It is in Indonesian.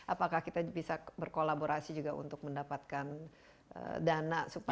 apakah kita bisa berkolaborasi juga untuk mendapatkan dana